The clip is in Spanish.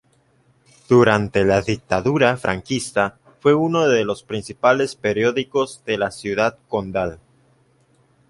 Durante la Dictadura franquista fue uno de los principales periódicos de la ciudad condal.